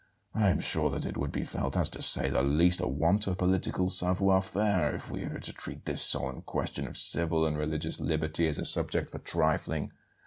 I am sure that it would be felt as, to say the least, a want of political savoir faire if we were to treat this solemn question of civil and religious liberty as a subject for trifling.